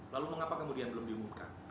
lalu mengapa kemudian belum diumumkan